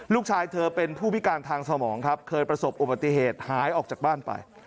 ลูกชายเธอเป็นผู้พิการทางสมองครับเคยประสบอุบัติเหตุหายออกจากบ้านไป